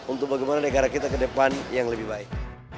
untuk bagaimana negara kita ke depan yang lebih baik